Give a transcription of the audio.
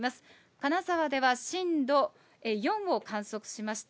金沢では震度４を観測しました。